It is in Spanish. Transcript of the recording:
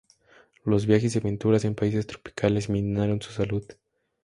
Los viajes y aventuras en países tropicales minaron su salud.